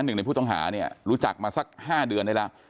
หนึ่งในผู้ต้องหาเนี่ยรู้จักมาสัก๕เดือนได้แล้ว